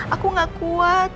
aku gak kuat